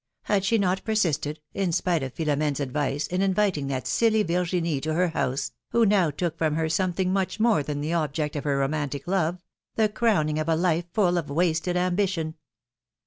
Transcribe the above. Had she not persisted, in spite of Philoinene's advice, in inviting that silly Virginie to her house, who now took from her something much more than the object of her romantic love — the crowning of a life full of wasted ambition